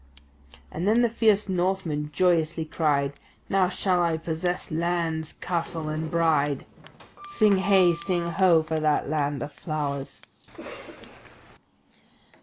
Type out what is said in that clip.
And then the fierce Northman joyously cried, "Now shall I possess lands, castle, and bride!" Sing heigh, sing ho, for that land of flowers!